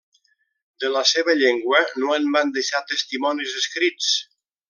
De la seva llengua no en van deixar testimonis escrits.